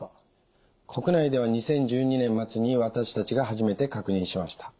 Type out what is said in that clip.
国内では２０１２年末に私たちが初めて確認しました。